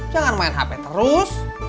jangan main hp terus